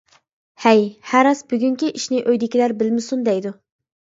ھەي. ھە راست بۈگۈنكى ئىشنى ئۆيدىكىلەر بىلمىسۇن دەيدۇ.